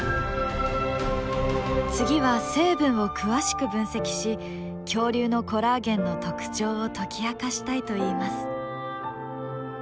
次は成分を詳しく分析し恐竜のコラーゲンの特徴を解き明かしたいといいます。